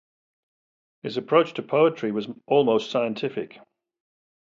His approach to poetry was almost scientific.